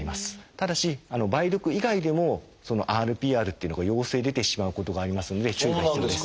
ただし梅毒以外でもＲＰＲっていうのが陽性出てしまうことがありますので注意が必要です。